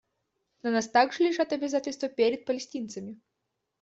На нас также лежат обязательства перед палестинцами.